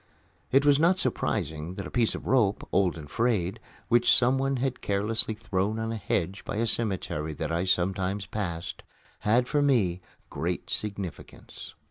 It was not surprising that a piece of rope, old and frayed, which someone had carelessly thrown on a hedge by a cemetery that I sometimes passed, had for me great significance.